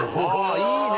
いいね